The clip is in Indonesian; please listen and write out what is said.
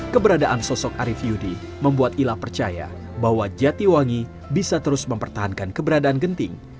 keberadaan sosok arief yudi membuat ila percaya bahwa jatiwangi bisa terus mempertahankan keberadaan genting